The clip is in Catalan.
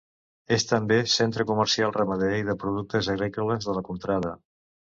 És també centre comercial ramader i de productes agrícoles de la contrada.